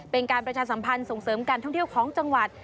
เป็นการประชาสัมพันธ์ส่งเสริมการท่องเที่ยวของจังหวัด